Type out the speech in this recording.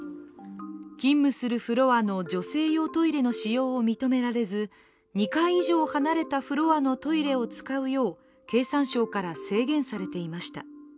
勤務するフロアの女性用トイレの使用を認められず、２階以上離れたフロアのトイレを使うよう経産省から制限されていました。